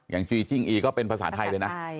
อย่างจีนจริงอีก็เป็นภาษาไทยเลยนะ